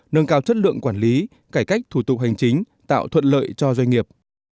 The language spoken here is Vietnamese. nâng cao chất lượng quản lý cải cách thủ tục hành chính tạo thuận lợi cho doanh nghiệp